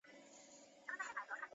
今嘉义县竹崎乡。